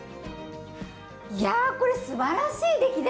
いやこれすばらしい出来ですね。